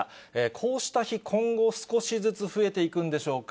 こうした日、今後、少しずつ増えていくんでしょうか。